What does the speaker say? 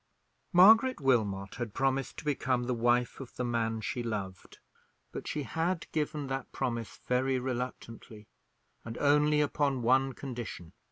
Margaret Wilmot had promised to become the wife of the man she loved; but she had given that promise very reluctantly, and only upon one condition.